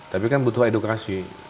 tapi kan butuh edukasi